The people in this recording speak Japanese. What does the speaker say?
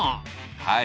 はい。